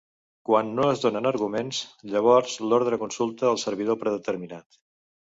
Quan no es donen arguments, llavors l'ordre consulta el servidor predeterminat.